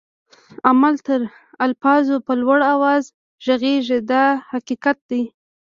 عمل تر الفاظو په لوړ آواز ږغيږي دا حقیقت دی.